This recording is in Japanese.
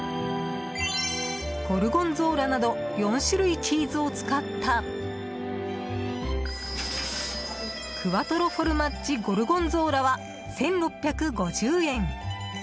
ゴルゴンゾーラなど４種類チーズを使ったクワトロフォルマッジゴルゴンゾーラは、１６５０円。